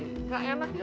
gak enak ya abah yuk